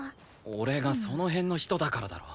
俺がその辺の人だからだろ。